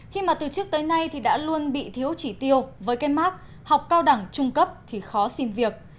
khi mà từ trước tới nay thì đã luôn bị thiếu chỉ tiêu với cái mark học cao đẳng trung cấp thì khó xin việc